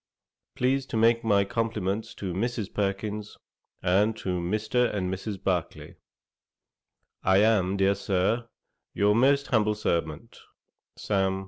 'Please to make my compliments to Mrs. Perkins, and to Mr. and Mrs. Barclay. 'I am, dear Sir, 'Your most humble servant, 'SAM.